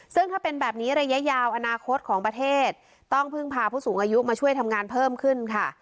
ซึ่งถ้าเป็นแบบนี้ระยะยาวอนาคตของประเทศต้องพึ่งพาผู้สูงอายุมาช่วยทำงานเพิ่มขึ้นค่ะ